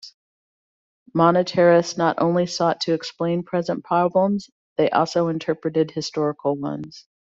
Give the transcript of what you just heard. Monetarists not only sought to explain present problems; they also interpreted historical ones.